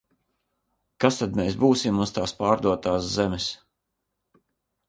Kas tad mēs būsim uz tās pārdotās zemes?